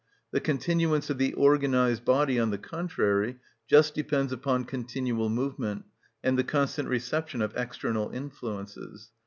The continuance of the organised body, on the contrary, just depends upon continual movement and the constant reception of external influences.